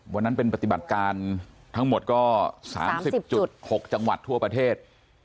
วันนั้นเป็นปฏิบัติการทั้งหมดก็๓๐๖จังหวัดทั่วประเทศ